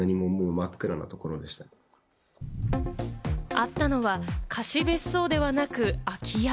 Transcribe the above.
あったのは貸別荘ではなく空き家。